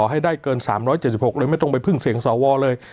ให้ได้เกิน๓๗๖เลยไม่ต้องไปพึ่งเสียงสวเลย